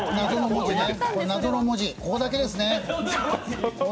ここだけですね。